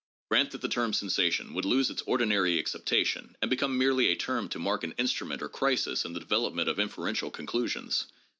Grant that the term sensation should lose its ordinary ac ceptation and become merely a term to mark an instrument or crisis in the development of inferential conclusions.